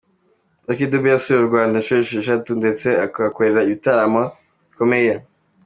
Lucky Dube yasuye u Rwanda inshuro eshatu ndetse ahakorera ibitaramo bikomeye.